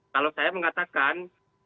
kalau saya mengatakan